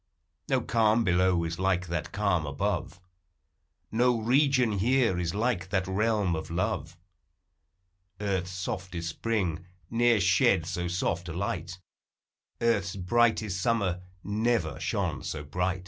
No calm below is like that calm above, No region here is like that realm of love ; Earth's softest spring ne'er shed so soft a light, Earth's brightest summer never shone so bright.